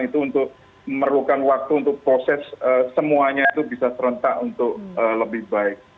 itu untuk memerlukan waktu untuk proses semuanya itu bisa serentak untuk lebih baik